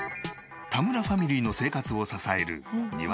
田村ファミリーの生活を支えるニワトリさん。